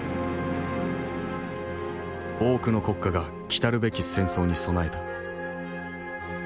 多くの国家が来るべき戦争に備えた。